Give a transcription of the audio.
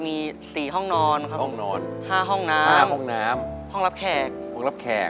มีสี่ห้องนอนครับห้องนอนห้าห้องน้ำห้าห้องน้ำห้องรับแขกห้องรับแขก